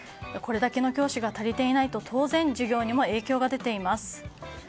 これだけの教師が足りていないと当然、授業にも影響が出ています。